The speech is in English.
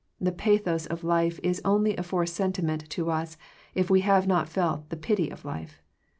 The pathos of life is only a forced sentiment to us, if we have not felt the pity of life.